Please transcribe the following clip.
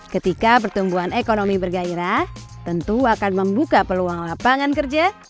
ketika pertumbuhan ekonomi bergairah tentu akan membuka peluang lapangan kerja